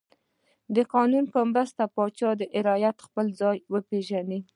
د قانون په مرسته د پاچا رعیت خپل ځای وپیژند.